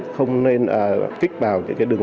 không nên click vào những cái đường